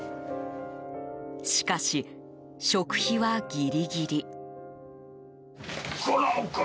しかし、食費はギリギリ。